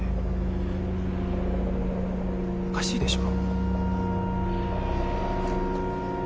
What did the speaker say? おかしいでしょ。